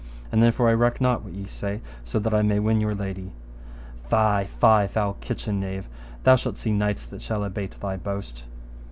And therefore I reck not what ye say, so that I may win your lady. Fie, fie, foul kitchen knave, thou shalt see knights that shall abate thy boast.